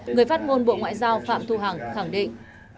người phát ngôn bộ ngoại giao phạm thu hằng khẳng định